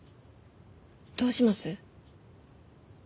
どうします？